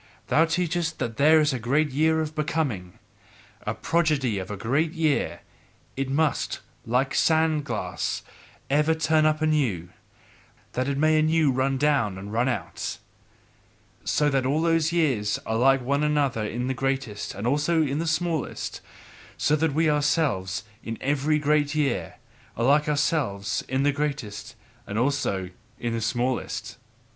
Thou teachest that there is a great year of Becoming, a prodigy of a great year; it must, like a sand glass, ever turn up anew, that it may anew run down and run out: So that all those years are like one another in the greatest and also in the smallest, so that we ourselves, in every great year, are like ourselves in the greatest and also in the smallest.